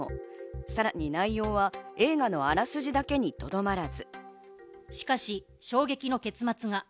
さらに内容は映画のあらすじだけにとどまらず、しかし衝撃の結末が。